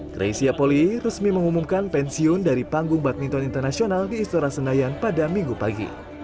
greysia poli resmi mengumumkan pensiun dari panggung badminton internasional di istora senayan pada minggu pagi